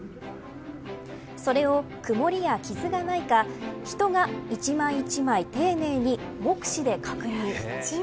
それをくもりや傷がないか人が一枚一枚丁寧に目視で確認。